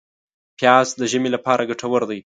پیاز د ژمي لپاره ګټور دی